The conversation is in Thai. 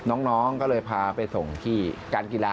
น้องก็เลยพาไปส่งที่การกีฬา